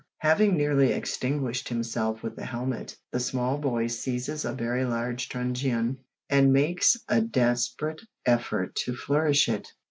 Having nearly extinguished himself with the helmet, the small boy seizes a very large truncheon, and makes a desperate effort to flourish it.